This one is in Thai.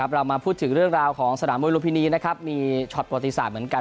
เรามาพูดถึงเรื่องราวของสนามมวยลุมพินีนะครับมีช็อตประวัติศาสตร์เหมือนกัน